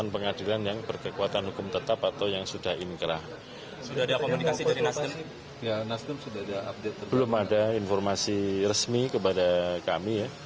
belum ada informasi resmi kepada kami ya